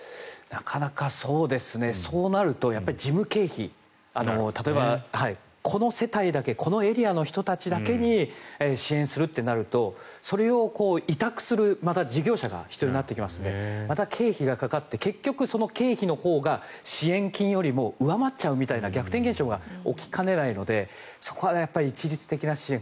なかなか、そうなると事務経費例えばこの世帯だけこのエリアの人たちだけに支援するってなるとそれを委託する事業者が必要になってくるのでまた経費がかかって結局、その経費のほうが支援金よりも上回っちゃうみたいな逆転現象が起きかねないのでそこは一律的な支援